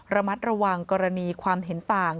ระมัดระวังกรณีความเห็นต่าง